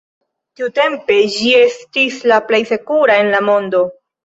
Tiutempe ĝi estis la plej sekura en la mondo.